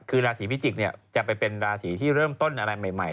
คือราศีพิจิกษ์จะไปเป็นราศีที่เริ่มต้นอะไรใหม่